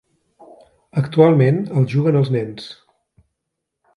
Actualment el juguen els nens.